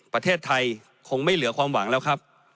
ประเทศไทยคงไม่เหลือความหวังแล้วครับ